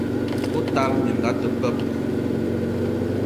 O tala minga a te beb!